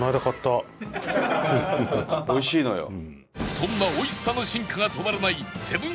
そんな美味しさの進化が止まらないセブン